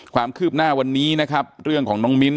ความคืบหน้าวันนี้นะครับเรื่องของน้องมิ้นท